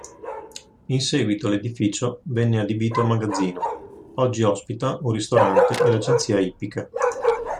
In seguito l'edificio venne adibito a magazzino, oggi ospita un ristorante e l'agenzia ippica.